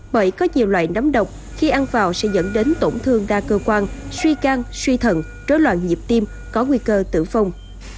bởi có nhiều loại nấm độc khi ăn vào sẽ dẫn đến tổn thương đa cơ quan suy can suy thận trối loạn nhịp tim có nguy cơ tử vong